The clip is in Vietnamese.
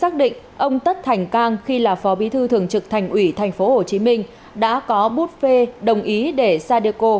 xác định ông tất thành cang khi là phó bí thư thường trực thành ủy tp hcm đã có bút phê đồng ý để sadeco